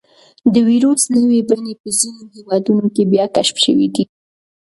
د وېروس نوې بڼې په ځینو هېوادونو کې بیا کشف شوي دي.